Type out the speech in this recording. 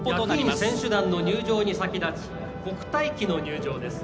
役員、選手団の入場に先立ち国体旗の入場です。